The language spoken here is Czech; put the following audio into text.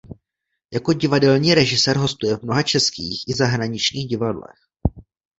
Jako divadelní režisér hostuje v mnoha českých i zahraničních divadlech.